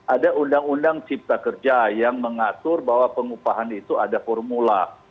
ada undang undang cipta kerja yang mengatur bahwa pengupahan itu ada formula